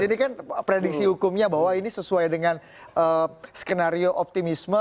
ini kan prediksi hukumnya bahwa ini sesuai dengan skenario optimisme